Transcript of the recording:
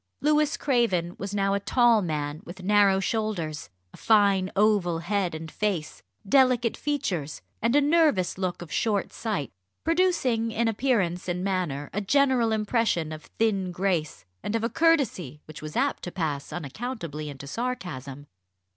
Louis Craven was now a tall man with narrow shoulders, a fine oval head and face, delicate features, and a nervous look of short sight, producing in appearance and manner a general impression of thin grace and of a courtesy which was apt to pass unaccountably into sarcasm.